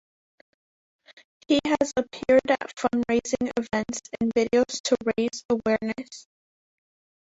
He has appeared at fundraising events and in videos to raise awareness.